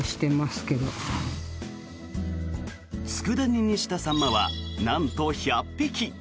佃煮にしたサンマはなんと１００匹。